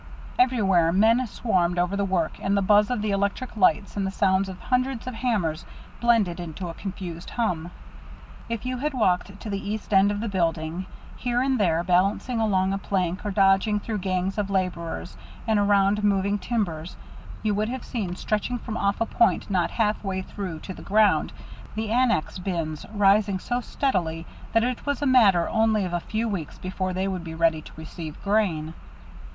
Everywhere men swarmed over the work, and the buzz of the electric lights and the sounds of hundreds of hammers blended into a confused hum. If you had walked to the east end of the building, here and there balancing along a plank or dodging through gangs of laborers and around moving timbers, you would have seen stretching from off a point not halfway through to the ground, the annex bins, rising so steadily that it was a matter only of a few weeks before they would be ready to receive grain.